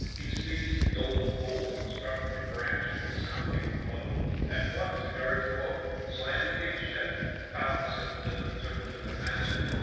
He seized the golden pole and struck a branch a sounding blow. At once the guards awoke, slammed the gates shut, caught the simpleton, and took him to their master.